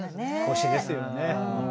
腰ですよね。